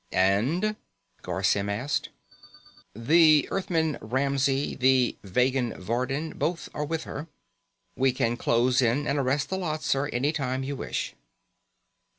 "And?" Garr Symm asked. "The Earthman Ramsey, the Vegan Vardin, both are with her. We can close in and arrest the lot, sir, any time you wish."